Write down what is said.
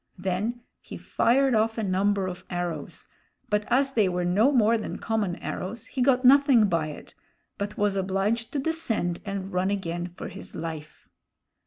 Then he fired off a number of arrows, but as they were no more than common arrows, he got nothing by it, but was obliged to descend and run again for his life.